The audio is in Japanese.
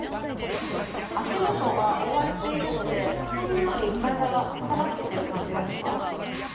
足元が覆われているので、ほんのり体が温まってきてる感じがします。